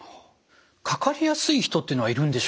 かかりやすい人っていうのはいるんでしょうか？